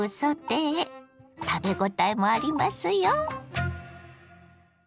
食べごたえもありますよ。